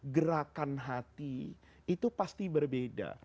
gerakan hati itu pasti berbeda